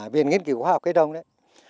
viện nghiên cứu khoa học cây đông đấy